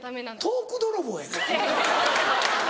トーク泥棒やで。